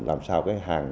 làm sao cái hàng